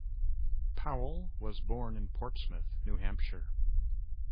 Powell was born in Portsmouth, New Hampshire.